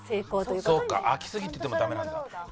そうか開きすぎててもダメなんだ。